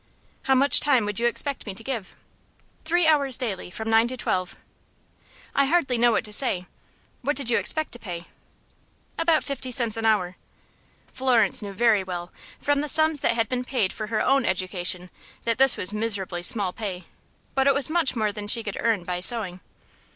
"How much time would you expect me to give?" "Three hours daily from nine to twelve." "I hardly know what to say. What did you expect to pay?" "About fifty cents an hour." Florence knew very well, from the sums that had been paid for her own education, that this was miserably small pay; but it was much more than she could earn by sewing.